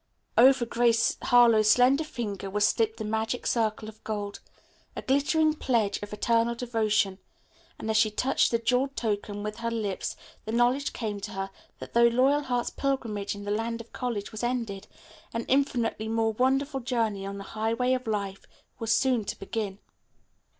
Over Grace Harlowe's slender finger was slipped the magic circle of gold, a glittering pledge of eternal devotion, and as she touched the jeweled token with her lips the knowledge came to her that though Loyalheart's pilgrimage in the Land of College was ended, an infinitely more wonderful journey on the Highway of Life was soon to begin.